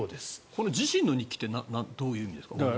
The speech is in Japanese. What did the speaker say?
この自身の日記っていうのはどういうことですか？